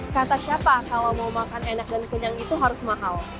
kata siapa kalau mau makan enak dan kenyang itu harus mahal